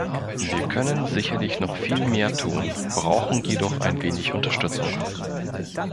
Wir können sicherlich noch viel mehr tun, brauchen jedoch ein wenig Unterstützung.